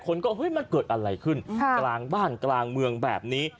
คนก็เฮ้ยมันเกิดอะไรขึ้นกลางบ้านกลางเมืองแบบนี้